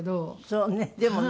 そうねでもね。